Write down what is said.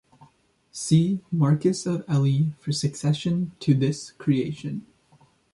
See Marquess of Ely for succession to this creation.